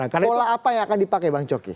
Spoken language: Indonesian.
pola apa yang akan dipakai bang coki